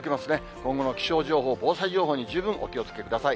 今後の気象情報、防災情報に、十分お気をつけください。